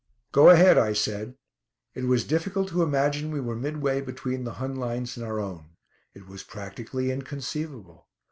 "Go ahead," I said. It was difficult to imagine we were midway between the Hun lines and our own. It was practically inconceivable.